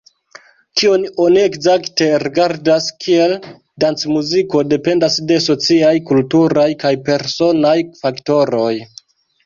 Kion oni ekzakte rigardas kiel dancmuziko, dependas de sociaj, kulturaj kaj personaj faktoroj.